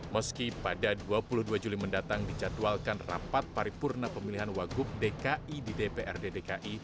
meski pada dua puluh dua juli mendatang dicatwalkan rapat paripurna pemilihan wagub dki di dprd dki